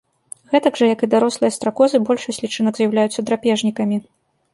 Гэтак жа, як і дарослыя стракозы, большасць лічынак з'яўляюцца драпежнікамі.